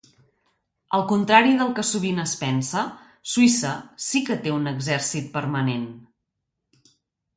Al contrari del que sovint es pensa, Suïssa sí que té un exèrcit permanent.